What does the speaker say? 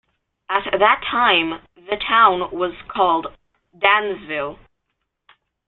At that time the town was called "Dansville".